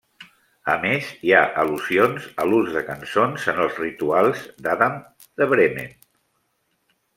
A més, hi ha al·lusions a l'ús de cançons en els rituals d'Adam de Bremen.